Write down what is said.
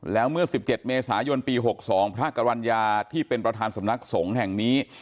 แล้วเมื่อ๑๗เมษายนปี๖๒พระกรรณญาที่เป็นประธานสำนักสงฆ์แห่งนี้